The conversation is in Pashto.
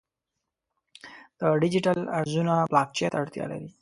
د ډیجیټل ارزونه بلاکچین ته اړتیا لري.